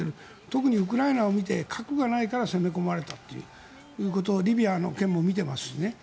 特にウクライナを見て核がないから攻め込まれたということをリビアの件も見ていますしね。